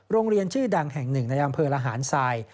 โรงเรียนชื่อดังแห่งหนึ่งในอำเภอระหารทราย